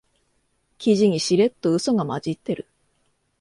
記事にしれっとウソが混じってる